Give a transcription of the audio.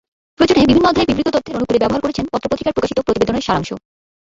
প্রয়োজনে বিভিন্ন অধ্যায়ে বিবৃত তথ্যের অনুকূলে ব্যবহার করেছেন পত্রপত্রিকায় প্রকাশিত প্রতিবেদনের সারাংশ।